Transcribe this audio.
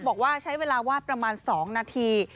บอกว่าใช้เวลาวาดประมาณ๒นาที